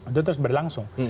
itu terus berlangsung